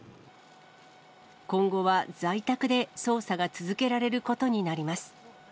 今後は在宅で捜査が続けられることになります。